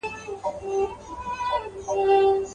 هم يې وچیچل اوزگړي او پسونه.